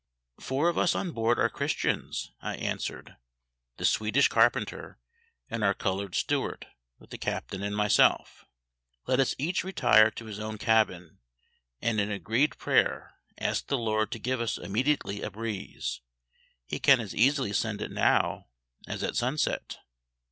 "Four of us on board are Christians," I answered (the Swedish carpenter and our coloured steward, with the captain and myself); "let us each retire to his own cabin, and in agreed prayer ask the LORD to give us immediately a breeze. He can as easily send it now as at sunset."